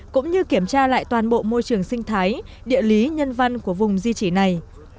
cũng như kiểm tra lại toàn bộ môi trường sinh thái địa lý nhân văn của vùng di chỉ này